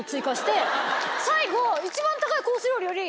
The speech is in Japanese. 最後。